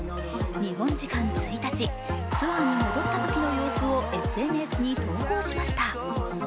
日本時間１日、ツアーに戻ったときの様子をＳＮＳに投稿しました。